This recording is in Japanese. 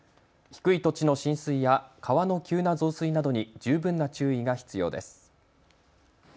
低い土地の浸水や川の急な増水などに十分な注意が必要です。